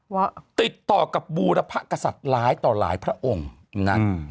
ว่าติดต่อกับบูรพกษัตริย์ร้ายต่อหลายพระองค์นะอืม